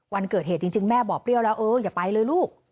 วันเกิดเหตุจริงแม่บอกเปรี้ยวแล้วเอออย่าไปเลยลูก